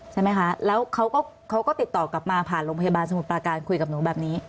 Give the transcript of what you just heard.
ใช่ไหมคะแล้วเขาก็ติดต่อกลับมาผ่านโรงพยาบาลสมุทรปราการคุยกับหนูแบบนี้